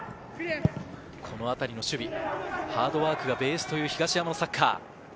このあたりの守備、ハードワークがベースという東山のサッカー。